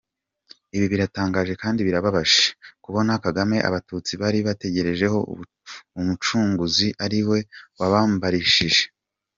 Ibi biratangaje kandi birababaje, kubona Kagame abatutsi bari bategerejeho umucunguzi, ari we wabamarishije!